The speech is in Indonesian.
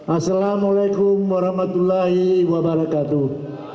assalamualaikum warahmatullahi wabarakatuh